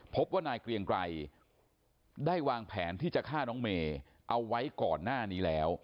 พบว่านายเกรียงไกรได้วางแผนที่จะฆ่าน้องเมย์เอาไว้ก่อนหน้านี้แล้ว